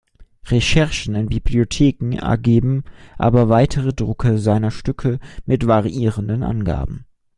Recherchen in Bibliotheken ergeben aber weitere Drucke seiner Stücke mit variierenden Angaben.